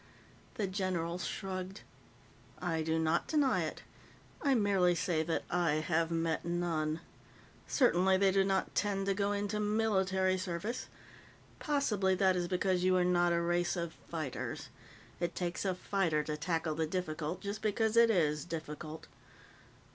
The general shrugged. "I do not deny it. I merely say that I have met none. Certainly they do not tend to go into military service. Possibly that is because you are not a race of fighters. It takes a fighter to tackle the difficult just because it is difficult."